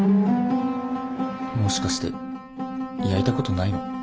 もしかして焼いたことないの？